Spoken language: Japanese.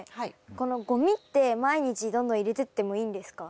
このごみって毎日どんどん入れてってもいいんですか？